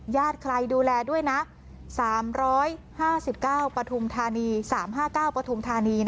ญาติใครดูแลด้วยนะ๓๕๙ปธุมธานี